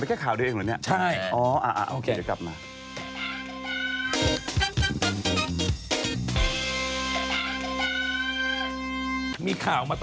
ไปดูผู้หญิงดูพิตตี้เลยแหละ